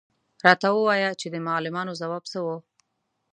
_راته ووايه چې د معلمانو ځواب څه و؟